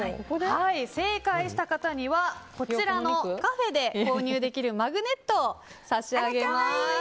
正解した方にはこちらのカフェで購入できるマグネットを差し上げます。